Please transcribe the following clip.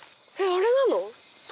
あれなの？